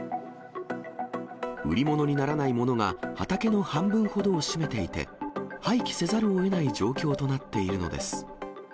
売り物にならないものが、畑の半分ほどを占めていて、廃棄せざるをえない状況となっているのです。